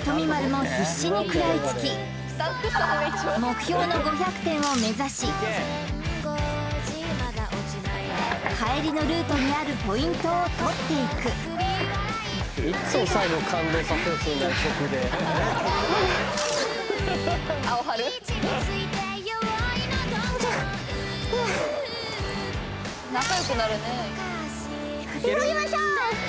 ○も必死に食らいつき目標の５００点を目指し帰りのルートにあるポイントを取っていく到着急ぎましょう！